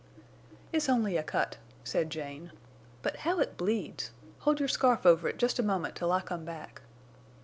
"It's only a cut," said Jane. "But how it bleeds! Hold your scarf over it just a moment till I come back."